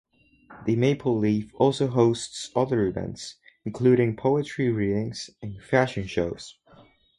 The Maple Leaf also hosts other events, including poetry readings and fashion shows.